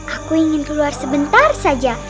aku ingin keluar sebentar saja